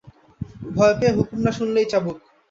ভয় পেয়ে হুকুম না শুনলেই চাবুক।